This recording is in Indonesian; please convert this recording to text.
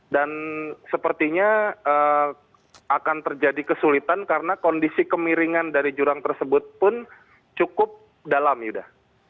dan sepertinya akan terjadi kesulitan karena kondisi kemiringan dari jurang tersebut pun cukup dalam yuda